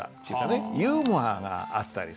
ユーモアがあったりする。